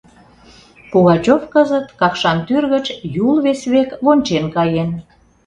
Пугачев кызыт Какшан тӱр гыч Юл вес век вончен каен.